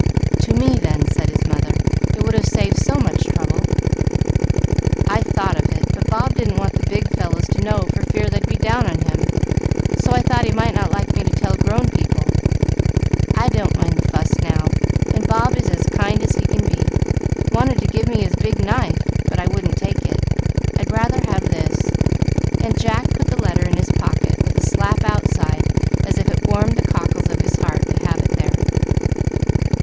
"To me, then," said his mother. "It would have saved so much trouble." "I thought of it, but Bob didn't want the big fellows to know for fear they'd be down on him, so I thought he might not like me to tell grown people. I don't mind the fuss now, and Bob is as kind as he can be. Wanted to give me his big knife, but I wouldn't take it. I'd rather have this," and Jack put the letter in his pocket with a slap outside, as if it warmed the cockles of his heart to have it there.